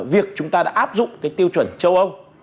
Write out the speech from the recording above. việc chúng ta đã áp dụng cái tiêu chuẩn châu âu